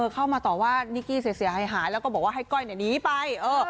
เข้ามาต่อว่านิกกี้เสียหายแล้วก็บอกว่าให้ก้อยหนีไป